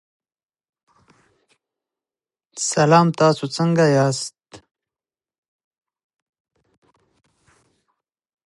د قانون تطبیق نظم ساتي